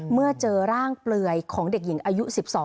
เมื่อเจอร่างเปลือยของเด็กหญิงอายุ๑๒